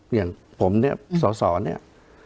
อย่างผมเนี่ยสอสอเนี่ย